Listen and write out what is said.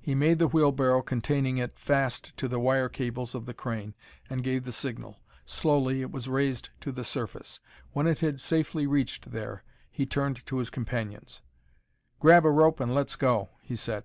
He made the wheelbarrow containing it fast to the wire cables of the crane and gave the signal. Slowly it was raised to the surface. When it had safely reached there he turned to his companions. "Grab a rope and let's go," he said.